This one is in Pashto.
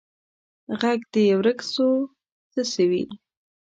ږغ دي ورک سو څه سوي